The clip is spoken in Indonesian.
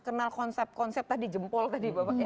kenal konsep konsep tadi jempol tadi bapak